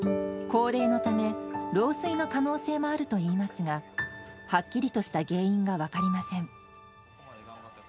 高齢のため、老衰の可能性もあるといいますが、はっきりとした原因が分かりません。